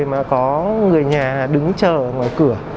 mà có người nhà đứng chờ ngoài cửa